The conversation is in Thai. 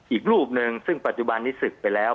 อีกรูปหนึ่งซึ่งปัจจุบันนี้ศึกไปแล้ว